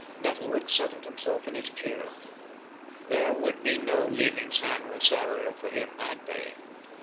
Nettlewick settled himself in his chair. There would be no leaving San Rosario for him that day.